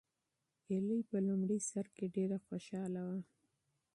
ایلي په لومړي سر کې ډېره خوشحاله وه.